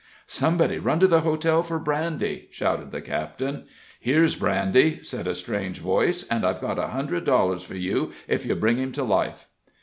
"Somebody run to the hotel for brandy," shouted the captain. "Here's brandy," said a strange voice, "and I've got a hundred dollars for you if you bring him to life."